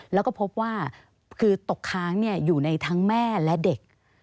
แล้วก็พบว่าคือตกค้างอยู่ในทั้งแม่และเด็ก